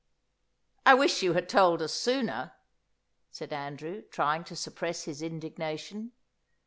"I wish you had told us sooner," said Andrew, trying to suppress his indignation.